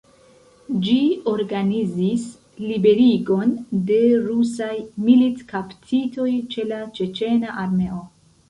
Ĝi organizis liberigon de rusaj militkaptitoj ĉe la ĉeĉena armeo.